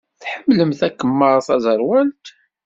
Tḥemmlemt takemmart taẓerwalt?